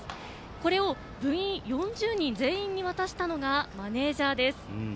これを部員４０人全員に渡したのがマネージャーです。